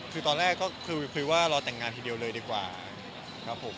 คือตอนแรกก็คือคุยว่ารอแต่งงานทีเดียวเลยดีกว่าครับผม